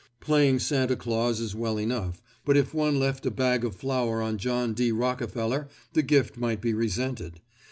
Playing Santa Claus is well enough, but if one left a bag of flour on John D. Rockefeller, the gift might be resented.